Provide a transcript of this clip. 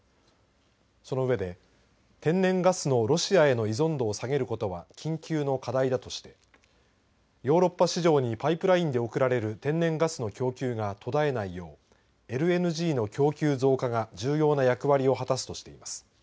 その上で、天然ガスのロシアへの依存度を下げることは緊急の課題だとしてヨーロッパ市場にパイプラインで送られる天然ガスの供給が途絶えないようＬＮＧの供給増加が重要な役割を果たすとしています。